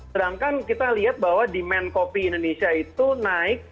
sedangkan kita lihat bahwa demand kopi indonesia itu naik